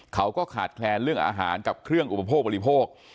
เขาก็ขาดแคลนเรื่องอาหารกับเครื่องอุปโภคบริโภค